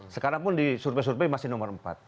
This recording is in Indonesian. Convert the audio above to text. sekarang di surveys surveys masih nomor empat